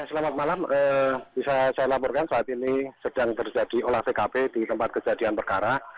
selamat malam bisa saya laporkan saat ini sedang terjadi olah tkp di tempat kejadian perkara